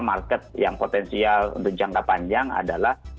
market yang potensial untuk jangka panjang adalah